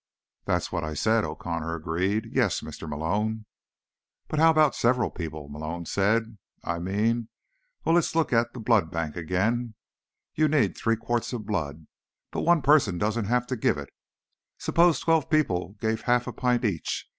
"That is what I said," O'Connor agreed. "Yes, Mr. Malone." "But how about several people?" Malone said. "I mean, well, let's look at that blood bank again. You need three quarts of blood. But one person doesn't have to give it. Suppose twelve people gave half a pint each.